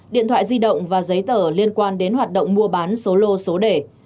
điện thoại di động và giấy tờ liên quan đến hoạt động mua bán số lô số đề